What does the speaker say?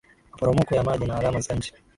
maporomoko ya maji na alama za nchi